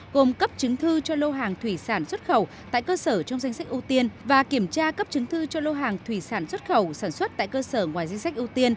gồm cấp chứng thư cho lô hàng thủy sản xuất khẩu tại cơ sở trong danh sách ưu tiên và kiểm tra cấp chứng thư cho lô hàng thủy sản xuất khẩu sản xuất tại cơ sở ngoài danh sách ưu tiên